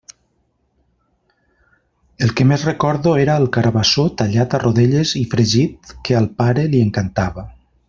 El que més recordo era el carabassó tallat a rodelles i fregit, que al pare li encantava.